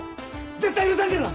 絶対許さんからな！